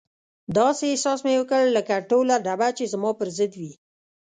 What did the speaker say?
داسې احساس مې وکړ لکه ټوله ډبه چې زما پر ضد وي.